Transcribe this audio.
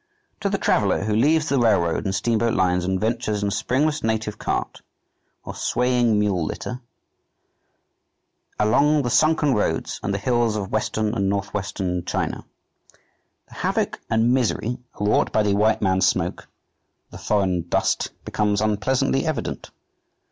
To the traveller who leaves the railroad and steamboat lines and ventures, in springless native cart or swaying mule litter, along the sunken roads and the hills of western and northwestern China, the havoc and misery wrought by the "white man's smoke," the "foreign dust," becomes unpleasantly evident.